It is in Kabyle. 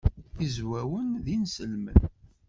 Izwawen d inselmen.